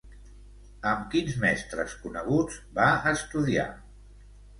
Amb quins mestres coneguts va estudiar?